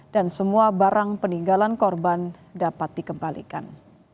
dan semua barang peninggalan korban dapat dikembalikan